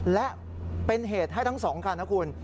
และเป็นเหตุให้ทั้งสองคันนะคุณ